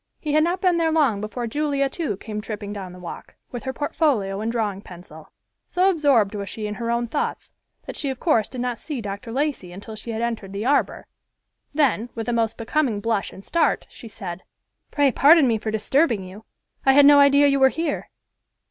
He had not been there long before Julia, too, came tripping down the walk, with her portfolio and drawing pencil. So absorbed was she in her own thoughts that she of course did not see Dr. Lacey until she had entered the arbor; then, with a most becoming blush and start, she said, "Pray pardon me for disturbing you. I had no idea you were here."